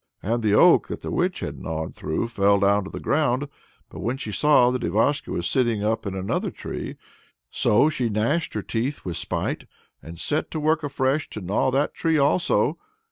The oak that the witch had gnawed through fell down to the ground; but then she saw that Ivashko was sitting up in another tree, so she gnashed her teeth with spite and set to work afresh, to gnaw that tree also.